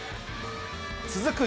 続く